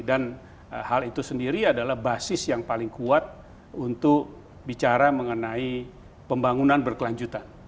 dan hal itu sendiri adalah basis yang paling kuat untuk bicara mengenai pembangunan berkelanjutan